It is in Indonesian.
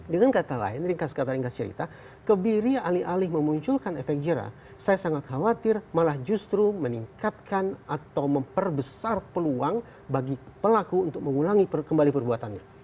dengan kata lain ringkas kata ringkas cerita kebiri alih alih memunculkan efek jerah saya sangat khawatir malah justru meningkatkan atau memperbesar peluang bagi pelaku untuk mengulangi kembali perbuatannya